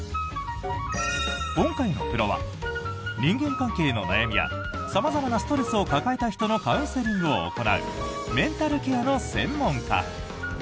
今回のプロは、人間関係の悩みや様々なストレスを抱えた人のカウンセリングを行うメンタルケアの専門家。